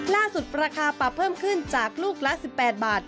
ราคาปรับเพิ่มขึ้นจากลูกละ๑๘บาท